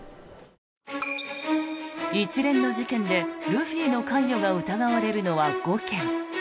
一連の事件でルフィの関与が疑われるのは５件。